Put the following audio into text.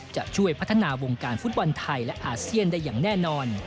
จะช่วยพัฒนาวงการฟุตบอลไทยและอาเซียนได้อย่างแน่นอน